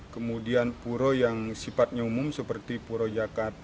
kemudian pura yang sifatnya umum seperti pura jakat